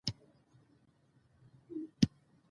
کله چې واک د خدمت پر ځای وکارول شي بحران راځي